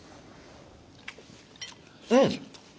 うん！